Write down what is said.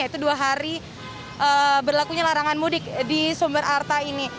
yaitu dua hari berlakunya larangan mudik di sumber arta ini